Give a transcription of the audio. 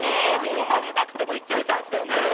よばれなくてもいっちゃうざんすよね。